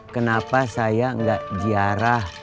kenapa saya enggak jiarah